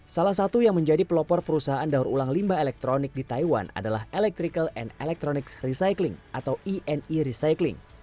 salah satu yang menjadi pelopor perusahaan daur ulang limba elektronik di taiwan adalah electrical and electronics recycling atau eni recycling